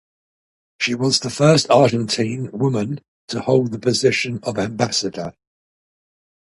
She was the first Argentine woman to hold the position of ambassador.